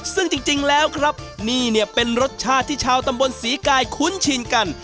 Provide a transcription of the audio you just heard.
ซึ่งจริงแล้วครับนี่เนี่ยเป็นรสชาติที่ชาวตำบลศรีกายคุ้นชินกัน